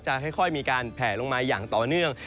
ค่อยมีการแผลลงมาอย่างต่อเนื่อง